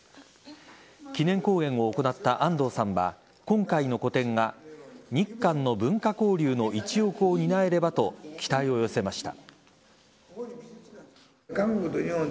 記念講演を行った安藤さんは今回の個展が日韓の文化交流の一翼を担えればと期待を寄せました。